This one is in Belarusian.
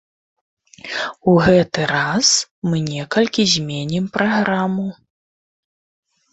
У гэты раз мы некалькі зменім праграму.